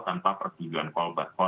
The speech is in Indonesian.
tanpa persetujuan korban